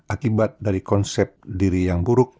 akibat dari konsep diri yang buruk